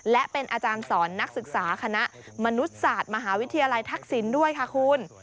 และเป็นอาจารย์สอนนักศึกษาคณะมนุษย์ศาสตร์มหาวิทยาลัยทักษิณด้วยค่ะคุณ